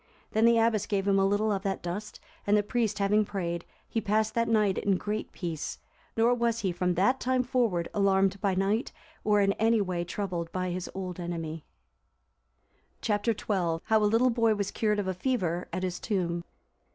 Then the abbess gave him a little of that dust, and the priest having prayed, he passed that night in great peace; nor was he, from that time forward, alarmed by night, or in any way troubled by his old enemy. Chap. XII. How a little boy was cured of a fever at his tomb.